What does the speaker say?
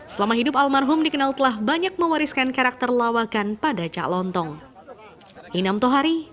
selama hidup almarhum dikenal telah banyak mewariskan karakter lawakan pada cak lontong